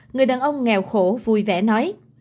người đàn ông nghèo khổ vui vẻ nói